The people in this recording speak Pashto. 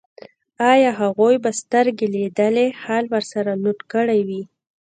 ایا هغوی به سترګو لیدلی حال ورسره نوټ کړی وي